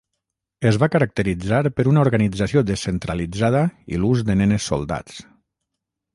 Es va caracteritzar per una organització descentralitzada i l'ús de nenes soldats.